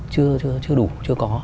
chưa đủ chưa có